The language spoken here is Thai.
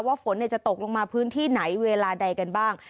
ฝนจะตกลงมาพื้นที่ไหนเวลาใดกันบ้าง